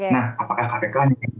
nah apakah kpk